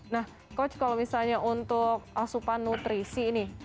nah coach kalau misalnya untuk asupan nutrisi nih